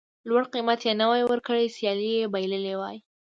لوړ قېمت یې نه وای ورکړی سیالي یې بایللې وای.